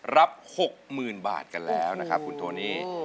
รับ๖๐๐๐บาทกันแล้วนะครับคุณโทนี่